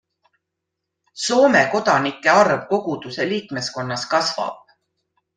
Soome kodanike arv koguduse liikmeskonnas kasvab.